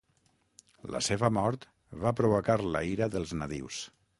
La seva mort va provocar la ira dels nadius.